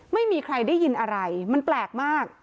ไม่มีใครได้ยินอะไรมันแปลกมาก